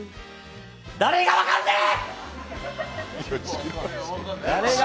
誰が分かんねん！